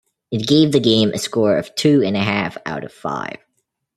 It gave the game a score of two and a half out of five.